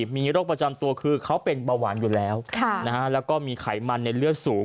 มีโรคประจำตัวคือเขาเป็นเบาหวานอยู่แล้วแล้วก็มีไขมันในเลือดสูง